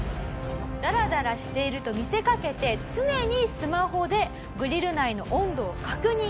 ダラダラしていると見せかけて常にスマホでグリル内の温度を確認。